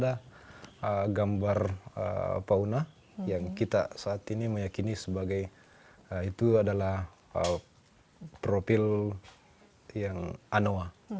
ada gambar fauna yang kita saat ini meyakini sebagai itu adalah profil yang anoa